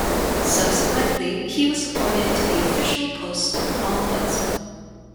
Subsequently, he was appointed to the official post of Ombudsman.